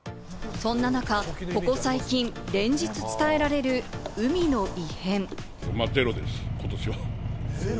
そんな中、ここ最近、連日伝えられる海の異変。